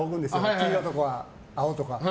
黄色とか青とか。